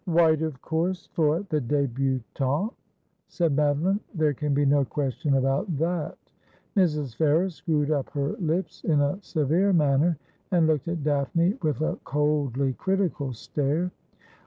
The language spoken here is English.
O 210 Asphodel. ' White, of course, for the debutante,' said Madoline. ' There can be no question about that.' Mrs. Ferrers screwed up her lips in a severe manner, and looked at Daphne with a coldly critical stare.